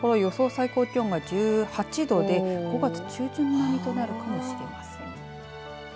最高気温が１８度で５月中旬並みとなるかもしれません。